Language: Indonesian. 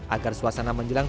agar suasana menjelang